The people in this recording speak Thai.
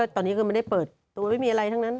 ตอนนี้คือไม่ได้เปิดตัวไม่มีอะไรทั้งนั้น